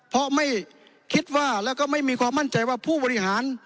เพราะไม่คิดว่าแล้วก็ไม่มีความมั่นใจว่าผู้บริหาร